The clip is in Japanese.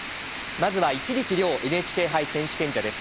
まずは一力遼ＮＨＫ杯選手権者です。